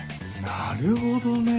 なるほどね！